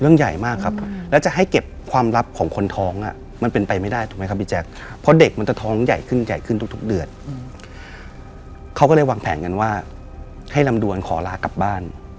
ใหญ่มากครับแล้วจะให้เก็บความลับของคนท้องอ่ะมันเป็นไปไม่ได้ถูกไหมครับพี่แจ๊คเพราะเด็กมันจะท้องใหญ่ขึ้นใหญ่ขึ้นทุกเดือนเขาก็เลยวางแผนกันว่าให้ลำดวนขอลากลับบ้าน